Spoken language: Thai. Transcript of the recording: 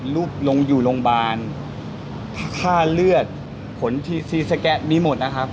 รูปลงอยู่โรงพยาบาลค่าเลือดผลทีซีสแกะมีหมดนะครับ